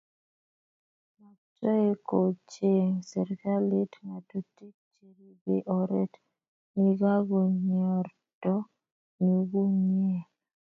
Maktoi kocheng serikalit ngatutik cheribei oret nikakinyorto nyukunyeg